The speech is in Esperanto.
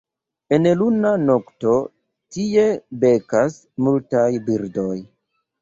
En luna nokto tie bekas multaj birdoj.